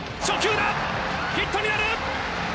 初球だ、ヒットになる。